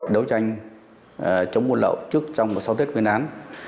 đấu tranh chống buôn lậu trước trong và sau tết quyên án